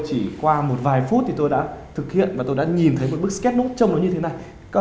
chỉ qua một vài phút thì tôi đã thực hiện và tôi đã nhìn thấy một bức sketch note trông nó như thế này